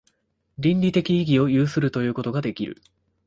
倫理的意義を有するということができる。